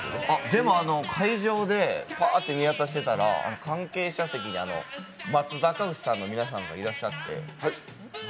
でも会場でぱーって見渡してたら、会場の中に松阪牛さんの皆さんがいらっしゃって。